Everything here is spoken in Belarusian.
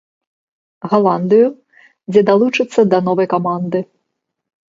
Галандыю, дзе далучыцца да новай каманды.